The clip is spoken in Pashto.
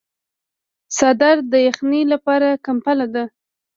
څادر د یخنۍ لپاره کمپله ده.